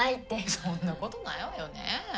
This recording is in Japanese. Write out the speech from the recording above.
そんなことないわよねえ。